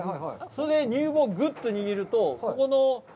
それで乳房をぐっと握ると、ここの。